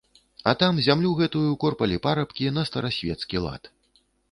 А там зямлю гэтую корпалі парабкі на старасвецкі лад.